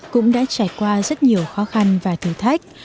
cũng đã trải qua rất nhiều khó khăn và thử thách